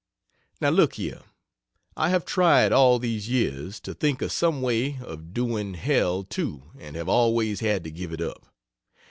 Now look here I have tried, all these years, to think of some way of "doing" hell too and have always had to give it up.